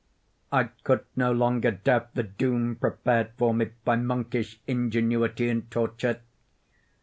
I could no longer doubt the doom prepared for me by monkish ingenuity in torture.